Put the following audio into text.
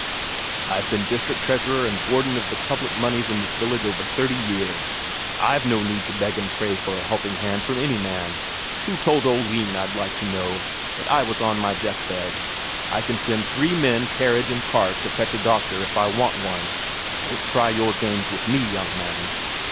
"I've been district treasurer and warden of the public moneys in this village over thirty year; I've no need to beg and pray for a helping hand from any man! Who told Oline, I'd like to know, that I was on my deathbed? I can send three men, carriage and cart to fetch a doctor if I want one. Don't try your games with me, young man!